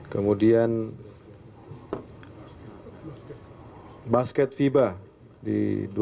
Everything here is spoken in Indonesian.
kemudian basket fiba di dua ribu dua puluh